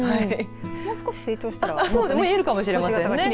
もう少し成長したらもっと見えるかもしれませんね。